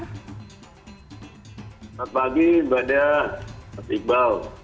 selamat pagi bapak iqbal